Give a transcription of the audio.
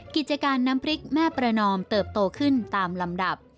กิจการน้ำพริกแม่ประนอมเติบโตขึ้นตามลำดับ